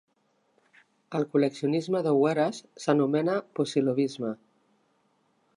El col·leccionisme d'oueres s'anomena pocilovisme.